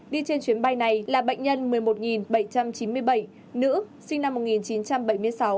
đi trên chuyến bay này là bệnh nhân một mươi một bảy trăm chín mươi bảy nữ sinh năm một nghìn chín trăm bảy mươi sáu